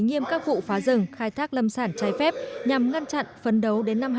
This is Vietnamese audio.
nghiêm các vụ phá rừng khai thác lâm sản trái phép nhằm ngăn chặn phấn đấu đến năm hai nghìn hai mươi